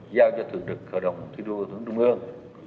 giao cho thủ tực hội đồng thi đua thủ tướng trung ương